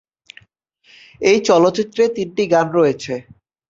এই চলচ্চিত্রে তিনটি গান রয়েছে।